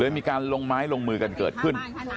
มีการลงไม้ลงมือกันเกิดขึ้น